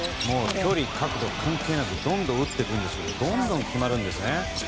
距離、角度関係なくどんどん打ってくるんですけどどんどん決まるんですよね。